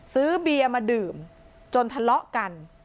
ซื้อเบียร์มาดื่มจนทะเลาะกัน